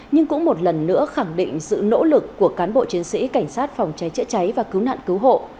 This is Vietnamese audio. nhưng cũng một lần nữa khẳng định sự nỗ lực của cán bộ chiến sĩ cảnh sát phòng cháy chữa cháy và cứu nạn cứu hộ